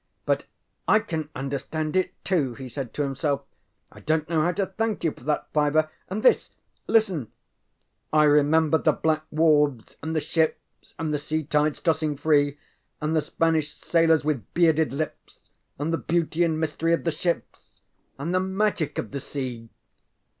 ŌĆ£But I can understand it too, ŌĆØ he said to himself. ŌĆ£I donŌĆÖt know how to thank you for that fiver. And this; listen ŌĆ£ŌĆśI remember the black wharves and the ships And the sea tides tossing free, And the Spanish sailors with bearded lips, And the beauty and mystery of the ships, And the magic of the sea.